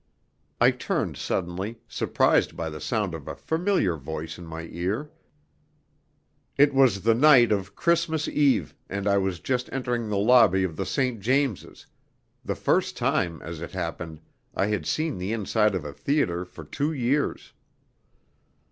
I turned suddenly, surprised by the sound of a familiar voice in my ear. It was the night of Christmas Eve, and I was just entering the lobby of the St. James's, the first time, as it happened, I had seen the inside of a theatre for two years.